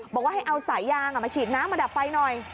บอกว่าให้เอาสายยางมาฉีดน้ำมาดับไฟหน่อย